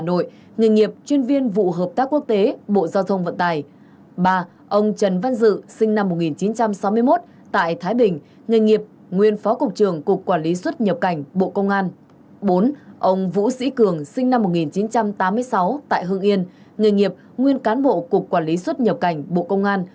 bốn ông vũ sĩ cường sinh năm một nghìn chín trăm tám mươi sáu tại hương yên người nghiệp nguyên cán bộ cục quản lý xuất nhập cảnh bộ công an